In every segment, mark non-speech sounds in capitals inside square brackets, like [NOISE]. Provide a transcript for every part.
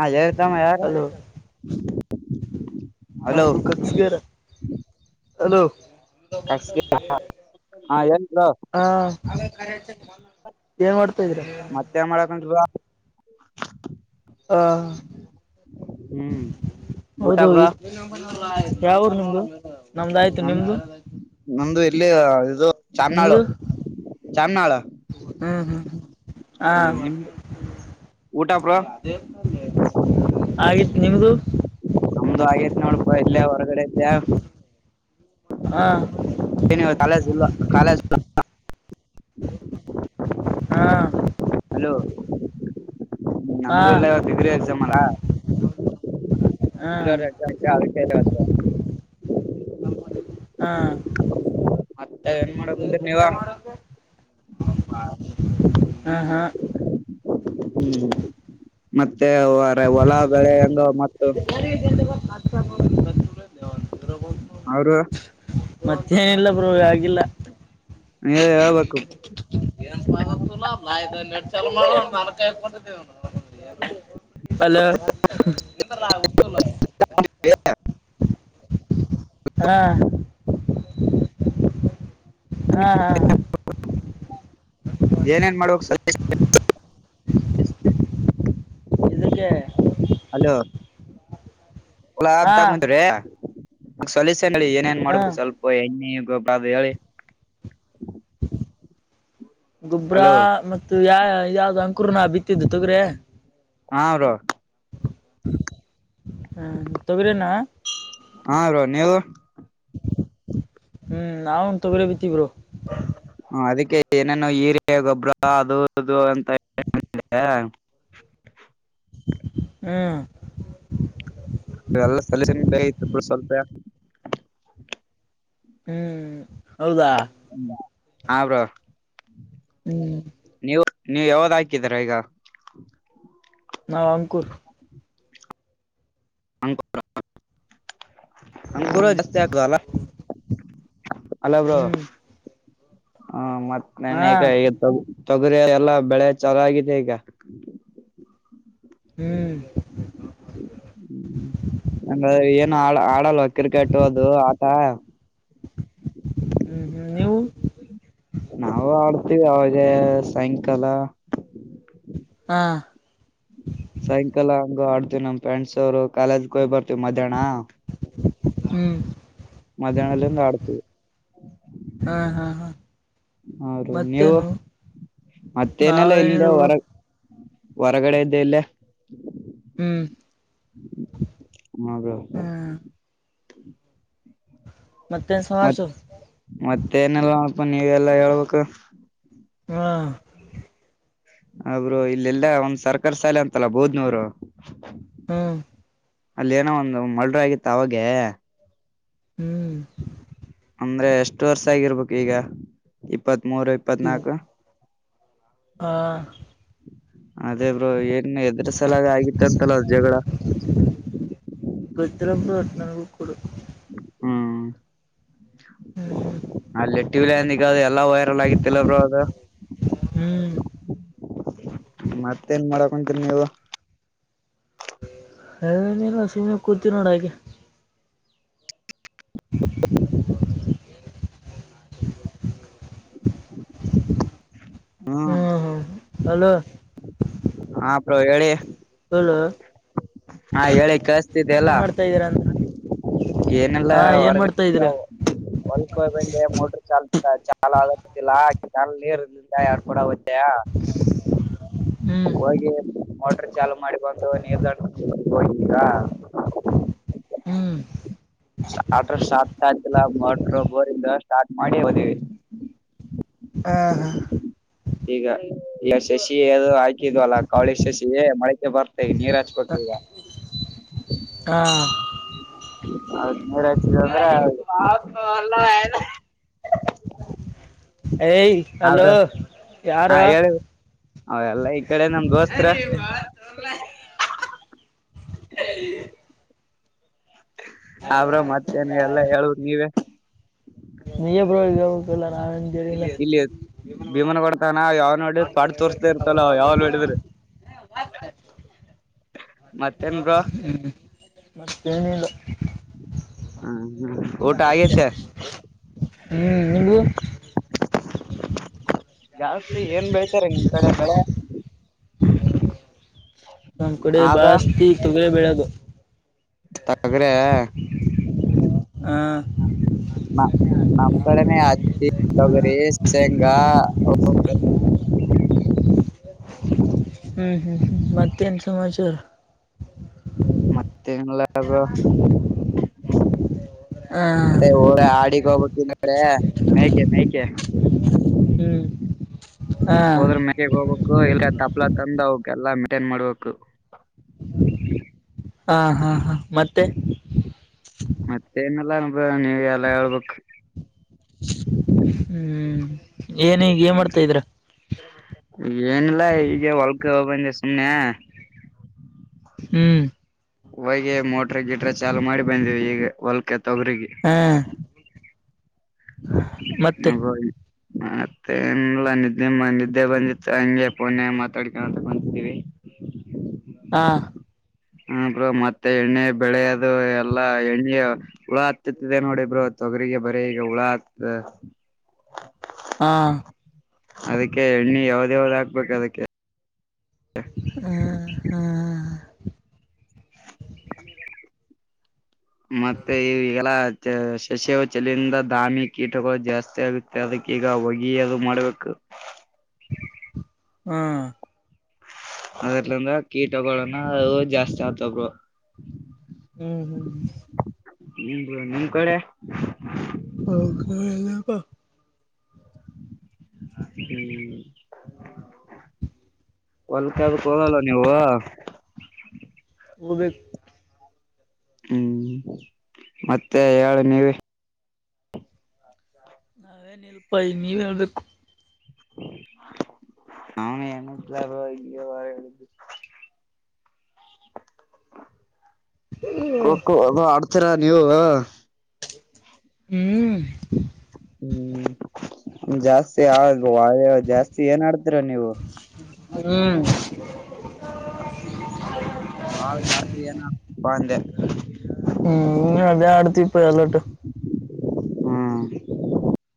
ಹಜೇ ಇತಾಮ ಯಾರ ನಮದು ಕಚ್ಚಗಾರ ಅಲೋ ಕಸ್ಗೆ ಹಾ ಹೇಳಿ ಬ್ರೋ ಹ ಅ ಕ [INAUDIBLE] ಮತ್ತೆ ಮಾಡಕಂ ಹಾ ಹ್ಮ್ ಊಟ ಹೌದು ಬ್ರೋ ಯಾವರು ನಿಮ್ದು ನಮ್ದಾಯ್ತು ನ ನಿಮ್ದು ನಮ್ದ ಇಲ್ಲಿ ಇದು ಚಾಮನಾಳು ನಿಮ್ದು ಚಾಮನಾಳ ಹ್ಮ್ ಹ್ಮ್ ಹ ಹ್ಮ್ ಊಟ ಬ್ರೋ ಆಗಿತ್ತು ನಿಮ್ದು ನಮ್ದು ಆಗೇತಿ ನೋಡಪ ಇಲ್ಲೇ ಹೊರಗಡೆ ಇದ್ದೇ ಹಾ ಇವತ್ ಕಾಲೇಜ್ ಇಲ್ಲ ಕಾಲೇಜ್ ಹಾ ಹಲೋ ಹಾ ನಮ್ದು ಎಲ್ಲ ಡಿಗ್ರಿ ಎಕ್ಸಾಮ್ ಅಲ್ಲ ಹಾ ಇತ್ತ ಹಾ ಮತ್ತೆ ಏನ್ ಮಕ್ಕಳ ಮಾಡಕುಂತೀರಿ ನೀವ ಹಾ ಹಾ ಹ್ಮ್ ಮತ್ತ ಮತ್ತ ಹೊಲ ಬೆಳೆ ಹೆಂಗ ಮ [INAUDIBLE] [UNINTELLIGIBLE] ಅವ್ರ ಮತ್ತೇನಿಲ್ಲ ಬ್ರೋ ಆಗಿಲ್ಲ ಹೇಳ್ಬೇಕು ಏನ್ಪಾಗತ್ತಲ್ಲ ನಡ್ ಚ ಮಾಡ ಮಕಾಯಿ ಕೊಟ್ಟೇ ಅಲ [UNINTELLIGIBLE] [INAUDIBLE] [INAUDIBLE] ಹಾ ಹಾ ಹಾ ಏನೇನ್ ಮಾಡುವಕ್ ಸ ಹ [INAUDIBLE] ಇದಕ್ಕೆ ಹಾ ಹಲೋಲಾಬ್ಂತ್ರೀ ಸಲ ಹೇಳಿ ಏನೇನ್ ಹಾ ಮಾಡ್ಬೇಕು ಸ್ವಲ್ಪ ಎಣ್ಣಿ ಗೊಬ್ಬ ಅದು ಹೇಳಿ ಗೊಬ್ಬ್ರ ಹಲೋ ಮತ್ತು ಯ ಯಾವ್ದ ಅಂಕುರ್ ನಾ ಬಿತ್ತಿದ್ದು ತೊಗ್ರೆ ಹಾರು ಹ ತಗರನಾ ಹಾ ನೀ ಹ್ಮ್ ನನ್ ತೊಗ್ರೇ ಬಿತ್ತಬ್ರು ಹ ಅದಕ್ಕೆ ಏನೇನುೋ ಹೀರ ಗೊಬ್ಬರ ಅದು ಅದು ಅಂತ ಹಾ ಎಲ್ಲ ಸಲಷನ್ ಬ ಇತ್ ಬಿ ಸ್ವಲ್ಪ ಹ್ಮ್ ಹೌದಾ ಹ ಬ್ರ ಹ್ಮ್ ನೀವ ಯಾವ್ದ ಹಾಕಿದೀರ ಈಗ ನಾ ಅಂಕೂರ್ ಅಂಕೂರ ಹ್ಮ್ ಜಸ್ತಿ ಆಗ ಅಲ್ಲ ಅಲ್ಲ ಬ್ರೋ ಹ್ಮ್ ಹಾ ಮತ್ತೆ ಹಾ ನೆನೇಕ ತೊಗರಿ ಎಲ್ಲಾ ಬೆಳೆ ಚೆನ್ನಾಗಿದೆ ಈಗ ಹ್ಮ್ ನ ಏನು ಆ ಆಡಲ್ವ ಕ್ರಿಕೆಟ್ ಅದು ಆಟ ಹ್ಮ್ ಹ್ಮ್ ನೀವು ನಾವವು ಆಡ್ತೀವಿ ಅವಾಗ ಸಾಯಂಕಾಲ ಹಾ ಸಾಯಂಕಾಲ ಹಂಗ ಆಡ್ತವ ನಮ್ ಫ್ರೆಂಡ್ಸ್ ಅವರು ಕಾಲೇಜ್ಗೆ ಹೋಗ್ ಬರ್ತವಿ ಮಧ್ಯಾಹ್ನ ಹ್ಮ್ ಮದಾನಲ್ಲಂದು ಅಡತ ಹಾ ಹಾ ಹಾ ಹೂ ನೀವು ಮತ್ತೇನು ಮತ್ತೇನೆಲ್ಲ ಇಲ್ಲಿ ನಾವೇನಿಲ್ಲ ಬ್ರೋ ಹೊರ ಹೊರಗಡೆ ಇದ್ದೆ ಇಲ್ಲ ಹ್ಮ್ ಹದ ಹ ಮತ್ ಮತ್ತೆ ಏನೆಲ್ಲ ಅಪ ನೀವೆಲ್ಲಾ ಹೇಳ್ಬೇಕು ಹಾ ಅವಬ್ರು ಇಲ್ಲೆಲ್ಲಾ ಒಂದ್ ಸರ್ಕಾರಿ ಶಾಲೆ ಅಂತಲ್ಲ ಬೋದ್ನವರು ಹ್ಮ್ ಅಲ್ಲೇಏನೋ ಒಂದು ಮಲ್್ರ ಆಗಿತ್ತ ಅವಾಗೆ ಹ್ಮ್ ಅಂದ್ರೆ ಎಷ್ಟು ವರ್ಷ ಆಗಿರ್ಬೇಕು ಈಗ ಇಪ್ಪತ್ತ್ ಮೂೂರು ಇವು ಇಪ್ಪತ್ನಾಕು ಹಾ ಅದೇ ಬ್ರೋ ಏನ್ ಹೆದ್ರ ಸಲಾಗ ಆಗಿತ್ತ ಅಂತಲ್ಲ ಜಗಳ ಗೊಜ್ರ ಪ್ರರ್ತನಾಗೂ ಕೊಡು ಹ್ಮ್ ಹ್ಮ್ ಅಲ್ಲಟ್ಟಿಬಲ ನದೆ ಎಲ್ಲಾ ವೈರಲ್ ಆಗಿತ್ತಲ್ಲ ಬ್ರೋ ಅದು ಹ್ಮ್ ಮತ್ತೇನ್ ಮಾಡಕಂತೀರಿ ನೀವ ಅ ಸುಮ್ಮನೆ ಕೂತೀವಿ ನೋಡ ಹಾಗೆ [UNINTELLIGIBLE] ಹ್ಮ್ ಹ್ಮ್ ಅಲೋ ಹಾ ಬ್ರೋ ಹೇಳಿ ಹಲ ಹಾ ಹೇಳಿ ಕಳ್ಸ್ತಿದ್ದ ಎಲ್ಲ ಇದೀರ ಅಂತ ಏನೆಲ್ಲ ಹಾ ಏನ್ ಹೊರಗಡೆ ಮಾಡ್ತಾ ಇದೀರಾ ಬಲ್ಕ್ಯ್ಬಂಡೆ ಮೋಟ್ರ ಚಲ್ ಚ ಆಗಲ್ಲ ಚಲ್ ನೀರ್ಿಂದ ಎಡ್ ಕೂಡ ಹ್ದಯ ಹ್ಮ್ ಹೋಗಿ ಮೋಟರ್ ಚಾಲುು ಮಾಡಿ ಬಂದು ನೀರ್ ದಡ್ ಹೋಗತೀರಾ ಹ್ಮ್ ಆಟ ಸಾ ಸಲ್ಲ ಮಟ್ರ ಬೋರಿ ದಸ್ ಆ ಮಾಡ ಹಾ ಹಾ ಈಗ ಈಗ ಶಶಿ ಅ ಹಾಕಿದ್ವಲ್ಲ ಕಾವಳಿ ಶಶಿ ಮಳಕೆ ಬರ್ತ ನೀ ರಾಜಪಕ್ಷಗ ಹಾ ಹೌ ರ ಏಯ ಅಲೋ ಯಾರ ಅವ ಎಲ್ಲ ಈ ಕಡೆ ನಮಗೋಸ್ತ್ರ ಹ ಅವ್ರ ಮತ್ತೇನ ಎಲ್ಲ ಹೇಳುವ ನೀವೇ ಮಗಡ ಇಲ್ಲಿ ಅಂತ ಯ ನೋ ಭೀಮನ ಕೊಡ್ತಾನ ಯಾವ ನೋಡಿ ತ್ವಾಡ್ ತೋರ್ಸ್ತಾ ಇರ್ತಲ್ಲ ಯಾವ ನೋ ನೋಡಿದ್ರಿ ಮತ್ತೇನ್ ಬ್ರೋ [INAUDIBLE] ಮತ್ತೇನಿಲ್ಲ ಹ್ಮ್ ಹ್ಮ್ ಊಟ ಆಗೇತೆ ಹ್ಮ್ ಇ [INAUDIBLE] ಜಾಸ್ತಿ ಏನ್ ಬೆಳ್ತಾರೆ ನಿಮ ಕಡೆ ಕಡೆ ನಮ್ ಕಡೆ ಬಾಸ್ತಿ ತೊಗ್ರ ಬೆಳದು ತಗ್ರ ಹ ನಮ್ಮ್ ಕಡಿಮ ಅಚ್ಚಿ ತೊಗರಿ ಶೇಂಗಾ [INAUDIBLE] ಹ್ಮ್ ಹ್ಮ್ ಮತ್ತೇನ್ ಸಮಾಚಾರ ಹಾ ಮತ್ತ ಳ ಆಡಿಗಬ ಇ್ರ ಮಯಕೆ ಮಯಕೆ ಹ್ಮ್ ಹಾ ಹೋದ್ರ ಮಗೆ ಹೋಗ ಎಲ್ಲ ತಪ್ಲಾ ತಂದ ಅವಕಲ್ಲಾ ಮೇಂಟೈನ್ ಮಾಡ್ಬೇಕು ಹಾ ಹಾ ಹಾ ಮತ್ತೆ ಮತ್ತೆ ನಲ್ಲ ನೀವ ಎಲ್ಲ ಹೇಳ್ಬೇಕ ಹ್ಮ್ ಏನ್ ಈಗ ಏನ್ ಮಾಡ್ತಾ ಇದ್ರ ಏನಲ್ಲ ಈಗ ಒಳಕೆಬಂದ ಸನ್ನೆ ಹ್ಮ್ ಹಗೆ ಮೋಟ್ರ ಗಿಡ್ರ ಚಾಾಲು ಮಾಡಿ ಬಂದವಿ ಈಗ ಹೊಲ್ಕ ತೊಗ್ರಗ ಹಾ ಮತ್ತೆ ಹ ಮತ್ತೆನ್ಲ್ಲ ನಿದ್ದೆ ನಿದ್ದೆ ಬಂದಿತ್ತು ಹಂಗೆ ಪೋನ ಮಾತಾಡ್ಕಂತ ಬಂತಿದ್ದೀವಿ ಹಾ ಹ ಬ್ರೋ ಮತ್ತೆ ಎಣ್ಣೆ ಬೆಳೆ ಅದು ಎಲ್ಲಾ ಎಣ್ಣೆ ಹುಳ ಹತ್ತಿದೆ ನೋಡಿ ಬ್ರೋ ತೊಗರಿಗೆ ಬರೀ ಈಗ ಉಳತ್ ಹಾ ಅದಕ್ಕೆ ಎಣ್ಣಿ ಯಾವ್ದ ಯಾವ್ದ್ ಹಾಕ್ಬೇಕು ಅದಕ್ಕೆ ಹ್ಮ ಹಾ [INAUDIBLE] ಮತ್ತೆ ಈಗೆಲ್ಲ ಸಸಿವ ಚಲಿಯಿಂದ ದಾಮಿ ಕೀಟಗಳು ಜಾಸ್ತಿ ಆಗುತ್ತೆ ಅ ದಕ ಈಗ ಹೊಗೆ ಅದು ಮಾಡ್ಬೇಕು ಹ್ಮ್ ಅದರ್ಲಂದ ಕೀಟಗಳನ ಜಾಸ್ತಿ ಆಗ್ತಬ್ರು ಹ್ಮ್ ಹ್ಮ್ ನಿಮ್ದ ನಿಮ್ ಕಡೆ ಹೌ ಎಲ್ಲಪ ಹ್ಮ್ ಒಲ್ಕ ಕೊಲ್ಲ ನೀವು ಒಬ ಹ್ಮ್ ಮತ್ತೆ ಹೇಳ ನೀವ ನಾವೇ ನಿಲ್ಪಾಯ ನೀವ ಎಡು ಅವನ ಎನಲಾರ ಇ ವರ [UNINTELLIGIBLE] ಅದು ಆಡ್ತೀರಾ ನೀವು ಹ್ಮ್ ಹ್ಮ್ ಜಾಸ್ತಿ ಆ ಜಾಸ್ತಿ ಏನ್ ಆಡ್ತರ ನೀವು ಹ್ಮ್ ಬಾಳ ಜಾಸ್ತಿ ಏನ್ ಆಡ್ತೀನಪ್ಪಾ ಅಂದೆ ಹ್ಮ್ ಅದ ಅಡ್ತಿ ಇಪ ಅಲ್ಲಟ್ಟು ಹ್ಮ್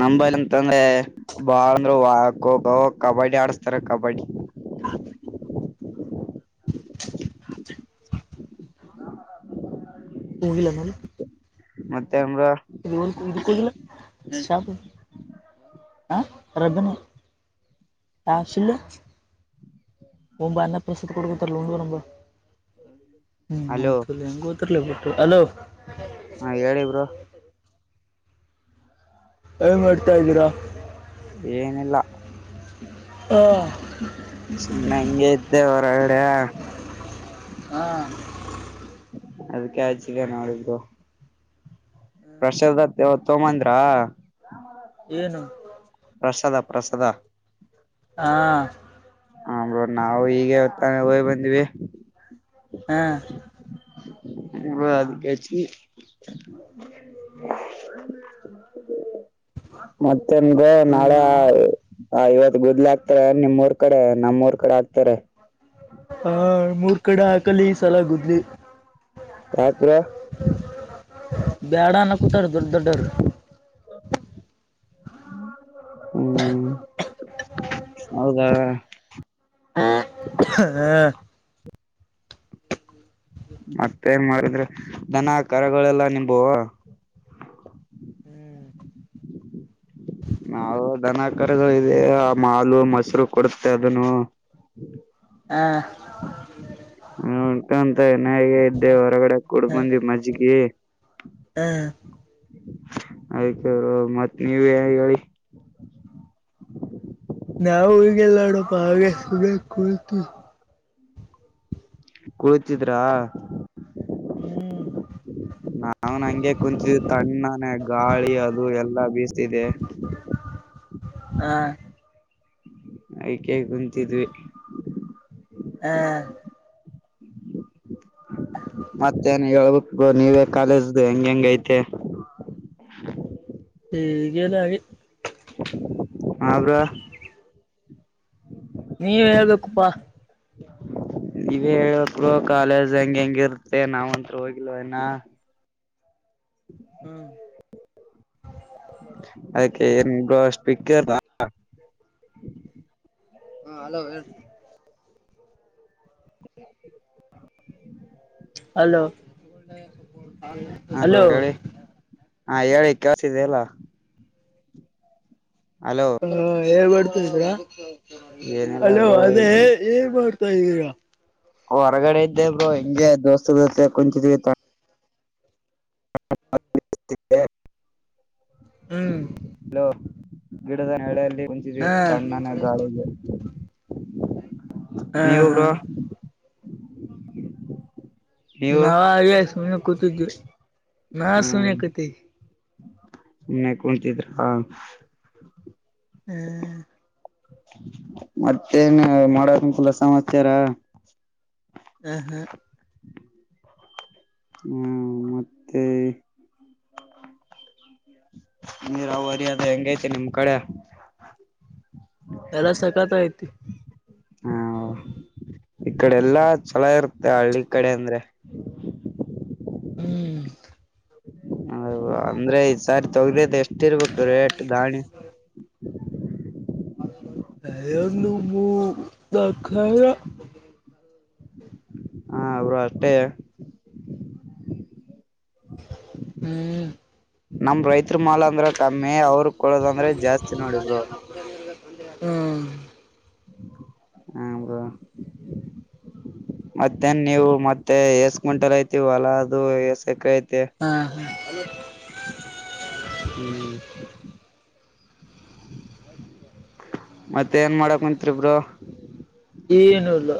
ನಮಂಬೈಲ್ ಅಂತಂದ್ರೆ ಬಾಳ್ ಅಂದ್ರರು ಖೋಖೋ ಕಬಡ್ಡಿ ಆಡಸ್ತಾರ ಕಬಡ್ಡಿ [INAUDIBLE] ಹೋಗಿಲ್ಲ ನಾನು ಮತ್ತೆ ಅ್ರ ಇ ಇ ಕೊಲ್ಲ ಸಪ ಹ ರಬಿನಿ ಹಶಿಲ್ಲ ಒಂಬ ಅನ್ನ ಪ್ರಸ್ತತಿ ಕೊಡ್ಕೊತಾರಲ್ಲ ಉಂಡಗ ನಂಬ ಹ್ಮ್ ಹಲೋ ಮಾತಲ್ಲ ಹೆಂಗ ಗೊತ್ತರ್ಲ ಬಿಟ್ಟು ಅಲೋ ಹಾ ಹೇಳಿ ಬ್ರೋ ಏನ್ ಮಾಡ್ತಾ ಇದೀರಾ ಏನಿಲ್ಲ ಹ ಸನ್ನ ಎಂಗ ಇದ್ದ ಹೊರ ಎಡ ಹ್ಮ ಅದಕ್ಕೆ ಆಚಿಲ್ಲ ನಾಳಗ ಪ್ರಸಾದ ತೋಮಂದ್ರ ಏನು ಪ್ರಸಾದಪ್ಪ ಪ್ರಸದ ಹಾ ಹಮ್ರ ನಾವು ಈಗ ಹೊತ್ತಾನ ಹೋಗ್ ಬಂದಿವವಿ ಹ್ಮ್ ಅದಕ್ಕೆಚಿ ಹ ಮತ್ತೆಮ್ದು ನಾಳೆ ಆ ಇವತ್ ಗುದ್ಲು ಆಗ್ತಾರ ನಿಮ್ಮ್ಊರ್ ಕಡೆ ನಮ್ಮ್ರ್ ಕಡೆ ಆಗ್ತಾರೆ ಹಾ ಮೂರ್ ಕಡೆ ಹಾಕಲಿ ಸಲ ಕುದ್ಲಿ ಯಾಕ್ ಬ್ರೋ ಬ್ಯಾಡ ನ ಕುೂತಾರ ದೊಡ್ಡ ದೊಡ್ಡರು ಹ್ಮ್ ಹೌದಾ ಹಾ ಮತ್ತೆ ನ್ ಮಾಡಿದ್ರೆ ದನ ಆಕಾರಗಳೆಲ್ಲಾ ನಿಂಬುವ ಹ್ಮ್ ನಾವು ದನ ಕರೆದು ಇ ಆ ಮಾಲು ಮೊಸರು ಕೊಡುತ್ತೆ ಅದನ್ನು ಹ ಎನಾಗ ಇದ್ದೆ ಹೊರಗಡೆ ಕುಡ್ಬಂದಿ ಮಜ್ಜಿಗೆ ಹ ಆಯ್ತು ಮತ್ತ್ ನೀವ ಹೇಳಿ ನಾವವು ಈಗೆಲ್ಲ ನಡಪ್ಪ ಹಾಗೆ ಸುಗ ಕುತು ಕೂಳತಿದ್ರಾ ಹ್ಮ್ ನಾವ್ ನಂಗೆ ಕುಂಚು ತಣ್ಣನೆ ಗಾಳಿ ಅದು ಎಲ್ಲಾ ಬೀಸ್ತಿದ್ದಿದೆ ಹಾ ಆಯ್ಕೆ ಕುಂತಿದ್ವಿ ಹ್ಮ ಮತ್ತೇನ್ ಹೇಳ್ಬೇಕಕ್ ನೀವೇ ಕಾಲೇಜ್ದು ಹೆಂಗ ಹೆಂಗ ಐತೆ ಹಗೆಲ್ಲೆ ಹರ ನೀವ್ ಹೇಳ್ಬೇಕುಪ್ಪಾ ನೀವೇ ಹೇಳರು ಕಾಲೇಜ್ ಹೆಂಗ ಹೆಂಗಿರುತ್ತೆ ನಾವತ್ ಹೋಗಿಲ್ವ ನ ಹ್ಮ್ ಅದಕ್ಕೆ ಸಪಕ್ಕರ್ ಹಾ ಹಲೋ ಹೇಳ [INAUDIBLE] ಹಲೋ ಹಾ ಬ್ರೋ ಹಲೋ ಹೇಳಿ ಹಾ ಹೇಳಿ ಕೆಲಸಿದೆ ಅಲ್ಲ ಹಲೋ ಹೇ ಮಾಡ್ತಾರಾ ಏನಿಲ್ಲ ಅಲ್ಲ ಬ್ರೋ ಅದೇ ಹೇಗ್ ಮಾಡ್ತಾ ಇದ್ದೀರಾ ಹೊರಗಡೆ ಇದ್ದೇ ಬ್ರೋ ಹೆಿಂಗೆ ದೋಸ್ತಸ್ತೆ ಕುಂಚಿ ಇ [INAUDIBLE] [UNINTELLIGIBLE] ಹ್ಮ್ ಗಿಡದ ನಳೆಯಲ್ಲಿ ಕುಂಚಿದ್ವಿ ಹಾ ತಣ್ಣನ ಗಾಳಿಗೆ ಹಾ ನೀ ಒಬರ ಹಾ ನವ ಆ ಸುನ ಕೂತು ನ ಸುನ ಹ್ಮ್ ಕೂತಿ ಸುಮ್ನೆ ಕುಂತಿದ್ರಾ ಹ್ಮ್ ಮತ್ತೇನ್ ಮಾಡಕುಲ್ಲ ಸಮಾಚಾರ ಹ್ಮ ಹಾ ಹ್ಮ್ ಮತ್ತೆ ನೀರಾವರಿ ಅಂದ ಹೆಂಗತಿ ನಿಮ್ ಕಡೆ ಎಲ್ಲ ಸಕತ ಆತಿ ಹ ಈ ಕಡೆ ಎಲ್ಲಾ ಚಲ ಇರುತ್ತೆ ಹಳ್ಳಿ ಕಡೆ ಅಂದ್ರೆ ಹ್ಮ್ ಹ ಅಂದ್ರೆ ಈ ಸಾರಿ ತಗಲದ ಎಷ್ಟ ಇರ್ಬೇಕು ರೇಟ್ ದಾಣಿ ನು ದಖರ [INAUDIBLE] [UNINTELLIGIBLE] ಹಾ ಅವರು ಅಷ್ಟೇ ಹ್ಮ್ ನಮ ರೈತ ಮಾಲ್ ಅಂದ್ರ ಕಮ್ಮಿ ಅವ್ರ ಕೊಡಳೋದಂದ್ರೆ ಜಾಸ್ತಿ ನೋಡಬರು ಹ್ಮ್ ಹರ [UNINTELLIGIBLE] [INAUDIBLE] ಮತ್ತೇನ್ ನೀವು ಮತ್ತೆ ಎಸ್ ಗುಂಟಲ್ ಐತಿವ ಹೊಲ ಅದು ಎಸಕ ಐತಿ ಹಾ ಹಾ ಹ್ಮ್ ಮತ್ತೆ ಏನ್ ಮಾಡಕ್ಂತ್ರಿಬರು ಏನುೂ ಇಲ್ಲ